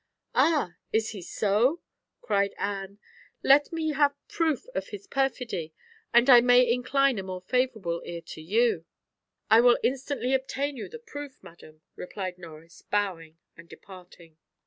"Ah! is he so?" cried Anne. "Let me have proof of his perfidy, and I may incline a more favourable ear to you." "I will instantly obtain you the proof, madam," replied Norris, bowing and departing.